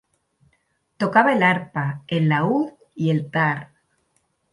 Tocaba el arpa, el laúd, y el tar.